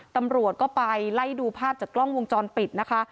ตำรวจก็ไปไล่ดูภาพจากกล้องวงจรปิดนะคะ